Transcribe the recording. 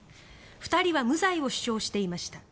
２人は無罪を主張していました。